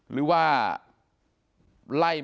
หรือว่าไล่ไหมครับ